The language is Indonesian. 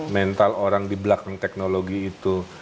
mental orang di belakang teknologi itu